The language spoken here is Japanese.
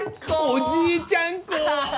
おじいちゃん子！